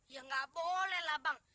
ya nggak boleh lah bang